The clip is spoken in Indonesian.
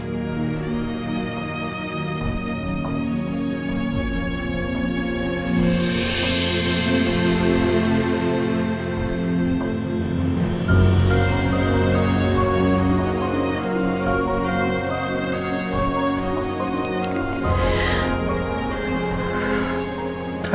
ini salah saya